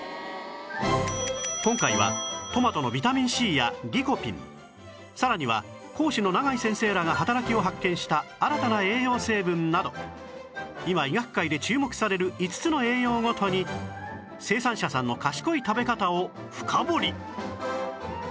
今回はトマトのビタミン Ｃ やリコピンさらには講師の永井先生らが働きを発見した新たな栄養成分など今医学界で注目される５つの栄養ごとに生産者さんの賢い食べ方を深掘り！